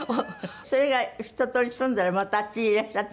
それが一通り済んだらまたあっちへいらっしゃった？